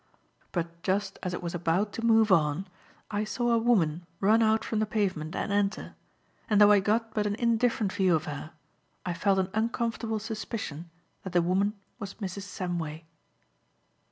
But just as it was about to move on, I saw a woman run out from the pavement and enter; and though I got but an indifferent view of her, I felt an uncomfortable suspicion that the woman was Mrs. Samway.